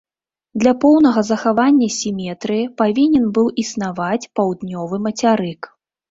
Для поўнага захавання сіметрыі павінен быў існаваць паўднёвы мацярык.